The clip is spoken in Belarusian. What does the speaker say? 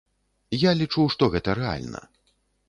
Я лічу, што гэта рэальна.